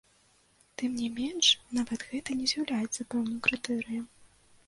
Тым не менш, нават гэта не з'яўляецца пэўным крытэрыем.